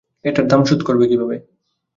এটার দাম শোধ করবে কীভাবে?